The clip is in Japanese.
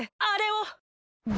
あれを！